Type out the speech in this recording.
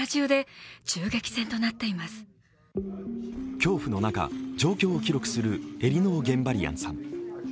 恐怖の中、状況を記録するエリノー・ゲンバリアンさん。